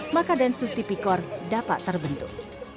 maka densus tipikor dapat terbentuk